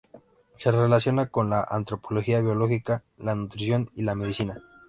Se relaciona con la antropología biológica, la nutrición y la medicina.